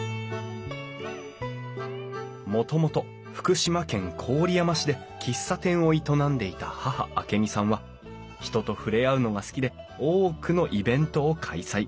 もともと福島県郡山市で喫茶店を営んでいた母明美さんは人と触れ合うのが好きで多くのイベントを開催！